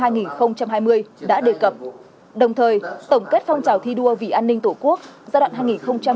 công tác sáu tháng đầu năm hai nghìn hai mươi đã đề cập đồng thời tổng kết phong trào thi đua vì an ninh tổ quốc giai đoạn hai nghìn một mươi năm hai nghìn hai mươi